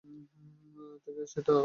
তোকে সেটা কে বললো?